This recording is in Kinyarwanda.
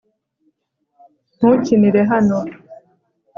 ntukinire hano